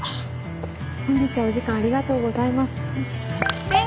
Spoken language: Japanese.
本日はお時間ありがとうございます。